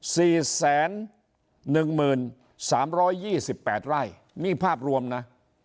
สี่แสนหนึ่งหมื่นสามร้อยยี่สิบแปดไร่นี่ภาพรวมนะ